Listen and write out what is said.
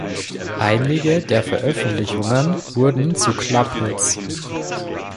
Einige der Veröffentlichungen wurden zu Clubhits.